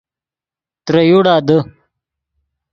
ترے یوڑا دے